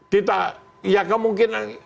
kita ya kemungkinan